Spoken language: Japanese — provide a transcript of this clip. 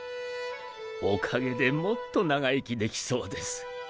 おかげでもっと長生きできそうです。